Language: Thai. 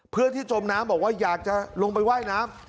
เพื่อนที่จมน้ำบอกว่าอยากจะลงไปว่ายน้ำ